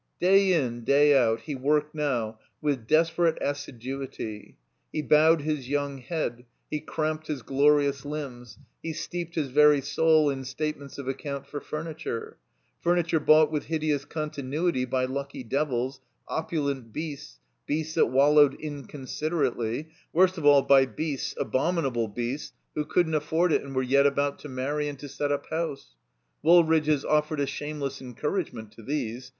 Day in day out he worked now with desperate assiduity. He bowed his yotmg head; he cramped his glorious Umbs; he steeped his very soul in state 63 THE COMBINED MAZE ments of account for furniture. Furniture bought with hideous continuity by lucky devils, opulent beasts, beasts that wallowed inconsiderately; worst of all by beasts, abominable beasts, who couldn't afford it and were yet about to marry^and to set up hotise. Woolridge's offered a shameless en couragement to these.